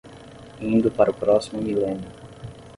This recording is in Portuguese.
Indo para o próximo milênio